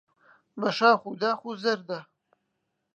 بە شاخ و داخ و زەردا